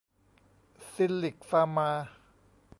ซิลลิคฟาร์มา